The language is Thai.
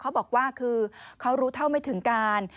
เขาบอกว่าคือเขารู้เท่าไม่ถึงการ